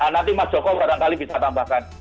nanti mas joko barangkali bisa tambahkan